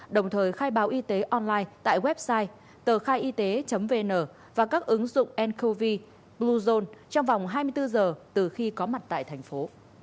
đồng thời khai báo y tế online tại website tờkhaiyt vn và các ứng dụng ncov blue zone trong vòng hai mươi bốn giờ từ khi có mặt tại thành phố